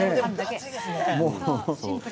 シンプル。